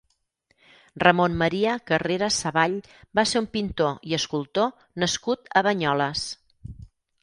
Ramon Maria Carrera Savall va ser un pintor i escultor nascut a Banyoles.